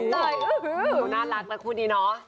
หัวหน้ารักนะคู่นี้เนอะ